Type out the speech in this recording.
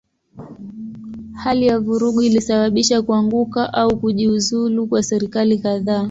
Hali ya vurugu ilisababisha kuanguka au kujiuzulu kwa serikali kadhaa.